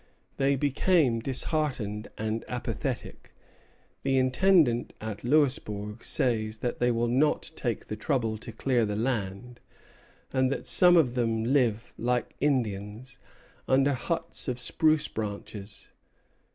They became disheartened and apathetic. The Intendant at Louisbourg says that they will not take the trouble to clear the land, and that some of them live, like Indians, under huts of spruce branches.